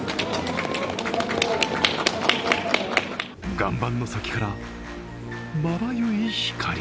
岩盤の先から、まばゆい光。